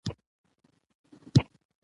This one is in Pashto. یو حیرانونکی جوړښت دی .